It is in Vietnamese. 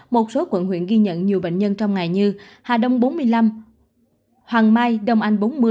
một số quận huyện ghi nhận nhiều bệnh nhân trong ngày như hà đông bốn mươi năm hoàng mai đông anh bốn mươi